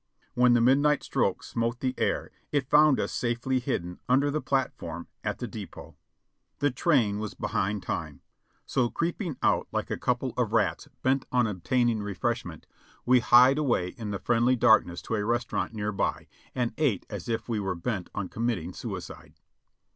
When the midnight stroke smote the air it found us safely hidden under the platform at the depot. The train was behind time, so creeping out like a couple of rats bent on obtain ing refreshment, we hied away in the friendly darkness to a res taurant near by, and ate as if we were bent on committing suicide.